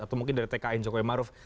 atau mungkin dari tkn jokowi maruf